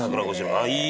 ああいい！